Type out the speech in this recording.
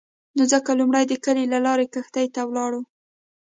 نو ځکه لومړی د کلي له لارې کښتۍ ته ولاړو.